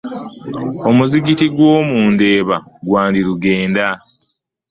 Omuzikiti gw'omu Ndeeba gwandirugenda.